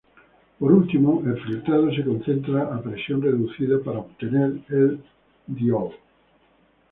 Por último, el filtrado se concentra a presión reducida para obtener el diol.